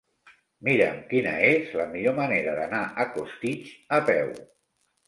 Mira'm quina és la millor manera d'anar a Costitx a peu.